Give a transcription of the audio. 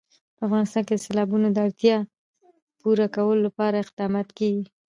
په افغانستان کې د سیلابونه د اړتیاوو پوره کولو لپاره اقدامات کېږي.